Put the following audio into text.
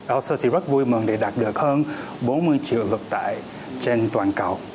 elsa thì rất vui mừng để đạt được hơn bốn mươi triệu vượt tại trên toàn cầu